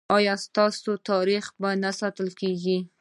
ایا ستاسو تاریخ به نه ساتل کیږي؟